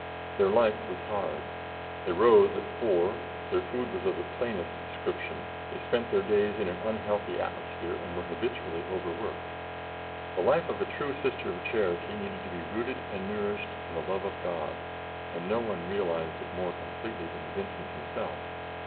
Their life was hard. They rose at four, their food was of the plainest description, they spent their days in an unhealthy atmosphere and were habitually overworked. The life of a true Sister of Charity needed to be rooted and nourished in the love of God, and no one realized it more completely than Vincent himself.